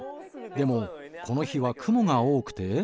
でもこの日は雲が多くて。